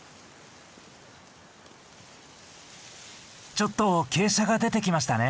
ちょっと傾斜が出てきましたね。